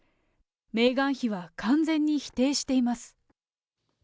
メーガン妃は完全に否定しています。